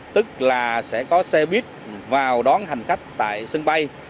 tức là sẽ có xe buýt vào đón hành khách tại sân bay